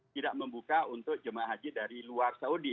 tidak membuka untuk jemaah haji dari luar saudi